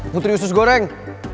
putri usus goreng